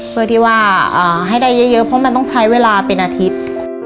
เพื่อที่ว่าให้ได้เยอะเพราะมันต้องใช้เวลาเป็นอาทิตย์